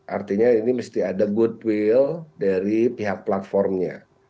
artinya ini mesti ada goodwill dari pihak platformnya